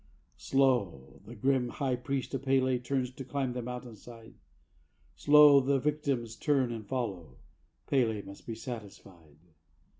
Slow, the grim high priest of P├®l├® turns to climb the mountain side; Slow, the victims turn and follow, P├®l├® must be satisfied.